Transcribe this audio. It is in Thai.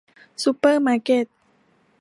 ซุปเปอร์มาร์เกต